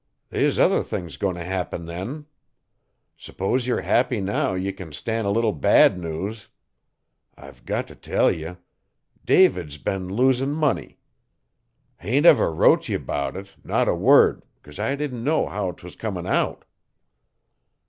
They's other things goin' to happen then. S'pose yer s'happy now ye can stan' a little bad news. I've got to tell ye David's been losin' money. Hain't never wrote ye 'bout it not a word 'cause I didn't know how 'twas comin' out.